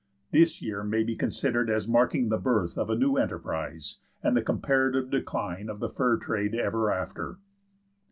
This year may be considered as marking the birth of a new enterprise and the comparative decline of the fur trade ever after.